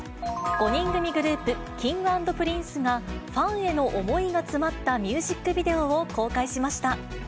５人組グループ、Ｋｉｎｇ＆Ｐｒｉｎｃｅが、ファンへの思いが詰まったミュージックビデオを公開しました。